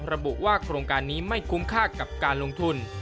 ระบุว่าโครงการนี้ไม่คุ้มค่ากับการลงทุน